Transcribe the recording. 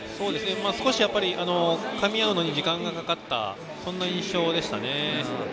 少し、かみ合うのに時間がかかった印象でしたね。